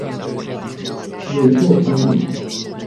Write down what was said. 仁寿三年。